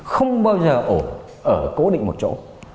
không bao giờ ở cố định một chỗ